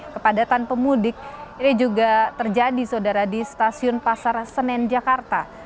kepadatan pemudik ini juga terjadi saudara di stasiun pasar senen jakarta